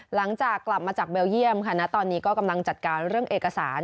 หลังจากกลับมาจากเบลเยี่ยมค่ะณตอนนี้ก็กำลังจัดการเรื่องเอกสาร